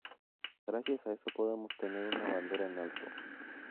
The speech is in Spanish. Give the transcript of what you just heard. Gracias a eso podemos tener una bandera en alto.